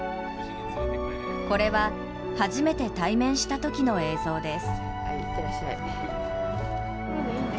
これは初めて対面したときの映像です。